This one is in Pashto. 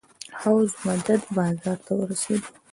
حوض مدد بازار ته ورسېدو.